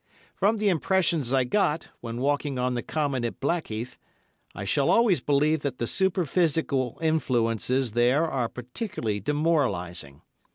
From the impressions I got, when walking on the Common at Blackheath, I shall always believe that the superphysical influences there are particularly demoralising.